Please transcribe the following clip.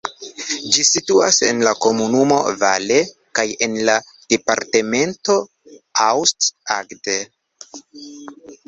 Ĝi situas en la komunumo Valle kaj en la departemento Aust-Agder.